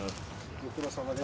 ご苦労さまです。